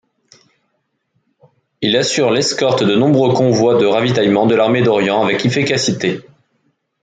Il assure l'escorte de nombreux convois de ravitaillement de l'Armée d'Orient, avec efficacité.